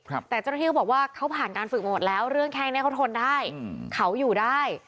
แต่เจ้าหน้าที่เขาบอกว่าเขาผ่านการฝึกมาหมดแล้วเรื่องแค่นี้เขาทนได้เขาอยู่ได้